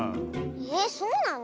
えっそうなの？